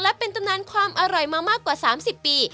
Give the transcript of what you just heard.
และเป็นตำนานความอร่อยมามากกว่า๓๐ปี